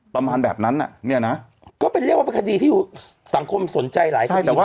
ประมาณแบบนั้นอ่ะเนี่ยนะก็เป็นเรียกว่าเป็นคดีที่สังคมสนใจหลายคดีแหละว่า